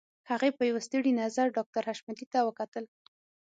هغې په يوه ستړي نظر ډاکټر حشمتي ته وکتل.